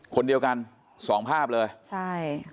คนเดียวกันสองภาพเลยใช่